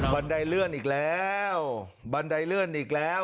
บันไดเลื่อนอีกแล้วบันไดเลื่อนอีกแล้ว